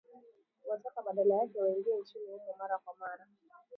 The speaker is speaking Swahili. kuwataka badala yake waingie nchini humo mara kwa mara